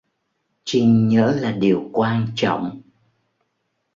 Chinh nhớ là điều quan trọng